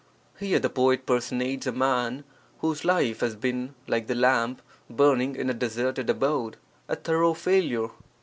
Here the poet personates a man whose life has been, like the lamp burning in a deserted abode, a thorough failure.